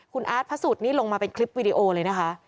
คุณอาร์ตพระสุทธิ์นี่ลงมาเป็นคลิปวีดีโอเลยนะคะ